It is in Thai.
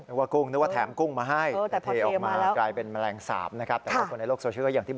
ที่แรกนึกว่ากุ้ง